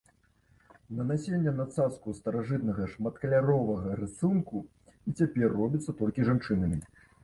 Нанясенне на цацку старажытнага шматкаляровага рысунку і цяпер робіцца толькі жанчынамі.